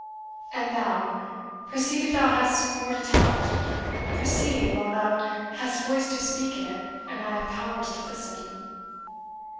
And thou proceed if thou hast more to tell proceed, while thou hast voice to speak it, and I have powers to listen."